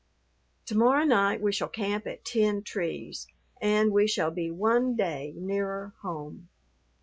To morrow night we shall camp at Ten Trees and we shall be one day nearer home.